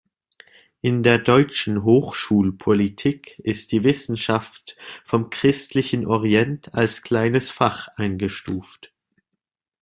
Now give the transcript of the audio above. In der deutschen Hochschulpolitik ist die Wissenschaft vom Christlichen Orient als Kleines Fach eingestuft.